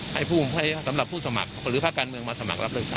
ให้ภูมิให้สำหรับสมัครหรือภาคการเมืองมาสมัครรับเลิกทั้ง